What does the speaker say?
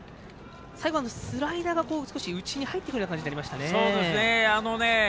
最後、スライダーが少し内に入ってくるような感じになりましたね。